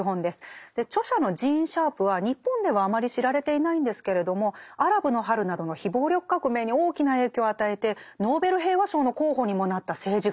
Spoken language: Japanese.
著者のジーン・シャープは日本ではあまり知られていないんですけれども「アラブの春」などの非暴力革命に大きな影響を与えてノーベル平和賞の候補にもなった政治学者なんです。